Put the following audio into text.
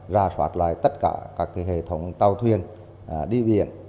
ra soát lại tất cả các hệ thống tàu thuyền đi biển